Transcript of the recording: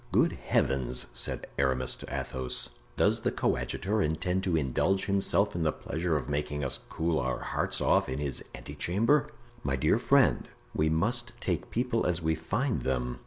"Good heavens!" said Aramis to Athos, "does the coadjutor intend to indulge himself in the pleasure of making us cool our hearts off in his ante chamber?" "My dear friend, we must take people as we find them.